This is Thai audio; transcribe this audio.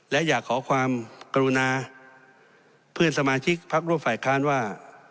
และอยากขอความกรุณาเพื่อนสมาชิกพักร่วมฝ่ายค้านว่า